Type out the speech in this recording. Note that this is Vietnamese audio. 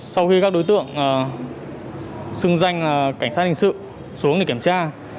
sau khi các đối tượng xưng danh là cảnh sát hình sự xuống để kiểm tra